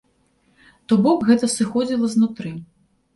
То бок гэта сыходзіла знутры.